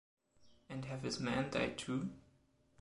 And have his men died too?